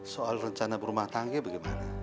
soal rencana berumah tangga bagaimana